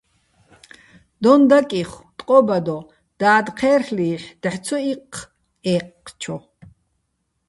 დოჼ დაკიხო̆, ტყო́ბადო: და́დ ჴე́რლ'ი́ჰ̦, დაჰ̦ ცო იჴჴ ე́ჴჴჩო.